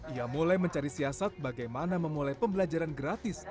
ia mulai mencari siasat bagaimana memulai pembelajaran gratis